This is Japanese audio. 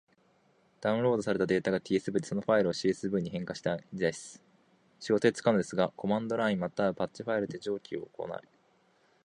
Q.tsv ファイルを csv ファイルに変換したいダウンロードされたデータが tsv で、そのファイルを csv に変換したいです。仕事で使うのですが、コマンドラインまたはバッチファイルで上記を行...